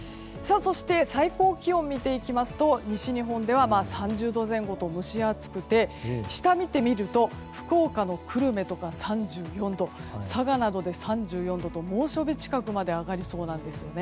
最高気温を見ていきますと西日本では３０度前後と蒸し暑くて、下見てみると福岡の久留米とか３４度佐賀などで３４度と猛暑日近くまで上がりそうなんです。